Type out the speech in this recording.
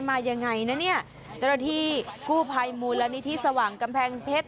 มายังไงนะเนี่ยเจ้าหน้าที่กู้ภัยมูลนิธิสว่างกำแพงเพชร